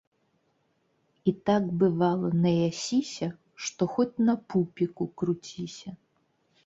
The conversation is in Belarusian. І так, бывала, наясіся, што хоць на пупіку круціся